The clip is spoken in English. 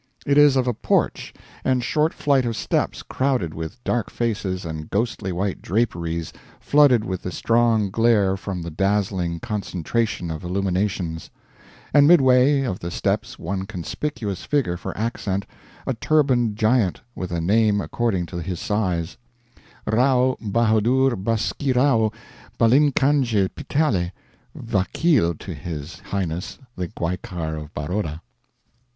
It is of a porch and short flight of steps crowded with dark faces and ghostly white draperies flooded with the strong glare from the dazzling concentration of illuminations; and midway of the steps one conspicuous figure for accent a turbaned giant, with a name according to his size: Rao Bahadur Baskirao Balinkanje Pitale, Vakeel to his Highness the Gaikwar of Baroda.